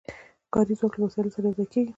کاري ځواک له وسایلو سره یو ځای کېږي